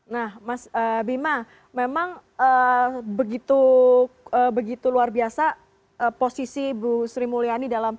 nah mas bima memang begitu luar biasa posisi ibu sri mulyani dalam